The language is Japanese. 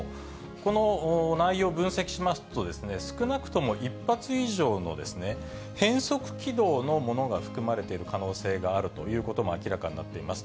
この内容、分析しますと、少なくとも１発以上の変則軌道のものが含まれている可能性があるということも明らかになっています。